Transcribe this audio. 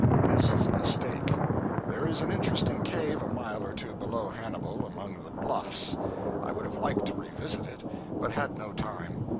This is a mistake. There is an interesting cave a mile or two below Hannibal, among the bluffs. I would have liked to revisit it, but had not time.